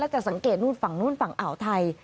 จะสังเกตนู่นฝั่งนู้นฝั่งอ่าวไทย